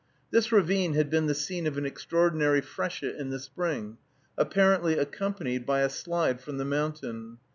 This ravine had been the scene of an extraordinary freshet in the spring, apparently accompanied by a slide from the mountain.